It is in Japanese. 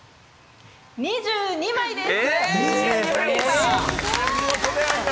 ２２枚です。